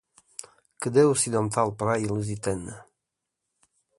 Que da ocidental praia Lusitana